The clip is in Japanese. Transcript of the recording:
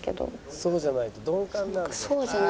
「そうじゃないと鈍感なんで」。